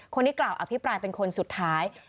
คนที่กล่าวอภิปรายเป็นคนสุดท้าย